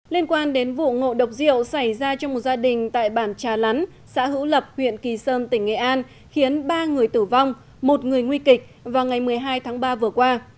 liên quan đến vụ ngộ độc rượu xảy ra trong một gia đình tại bản trà lán xã hữu lập huyện kỳ sơn tỉnh nghệ an khiến ba người tử vong một người nguy kịch vào ngày một mươi hai tháng ba vừa qua